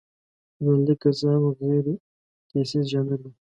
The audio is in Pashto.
ژوندلیک که څه هم غیرکیسیز ژانر دی.